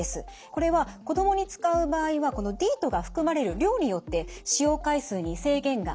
これは子どもに使う場合はディートが含まれる量によって使用回数に制限があります。